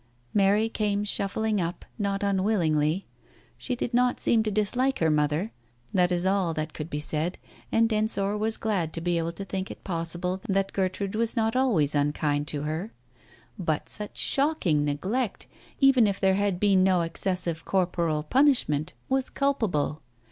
Mary came shuffling up, not unwillingly. She did not seem to dislike her mother, that is all that could be said, and Ensor was glad to be able to think it possible that Gertrude was not always unkind to her. But such shocking neglect, even if there had been no excessive corporal punishment, was culpable.